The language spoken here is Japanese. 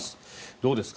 どうですか？